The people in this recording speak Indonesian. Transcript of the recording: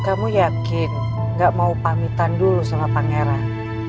kamu yakin gak mau pamitan dulu sama pangeran